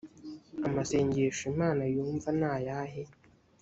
amasengesho imana yumva nayahe